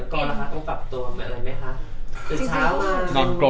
ก็นะคะต้องปรับตัวอะไรนะคะ